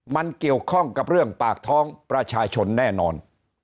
มันเกี่ยวข้องกับเรื่องปากท้องประชาชนแน่นอน